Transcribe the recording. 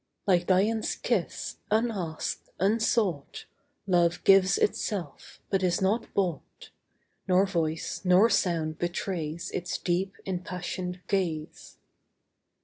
Like Dian's kiss, unasked, unsought, Love gives itself, but is not bought ; 15 Nor voice, nor sound betrays Its deep, impassioned ga/e.